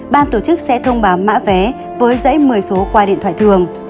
ban tổ chức sẽ thông báo mã vé với dãy một mươi số qua điện thoại thường